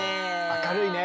明るいね。